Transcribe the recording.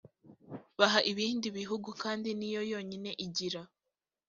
baha i b ibindi bihugu kandi n iyo yonyine igira